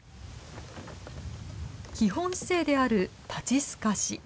基本姿勢である立ち透かし。